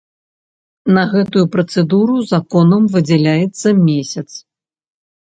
На гэтую працэдуру законам выдзяляецца месяц.